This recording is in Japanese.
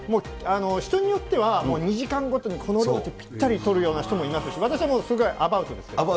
人によっては、２時間ごとにこの量って、ぴったりとるような人もいますし、私はすごいアバウトですけど。